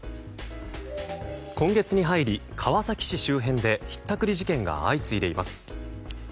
今月に入り川崎市周辺でひったくり事件が相次いでいます。